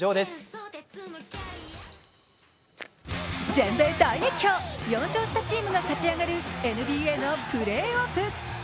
全米大熱狂、４勝したチームがか勝ち上がるＮＢＡのプレーオフ。